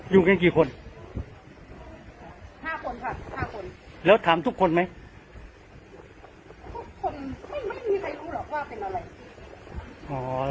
ใช่ค่ะแล้วพระพรรณก็ไม่เป็น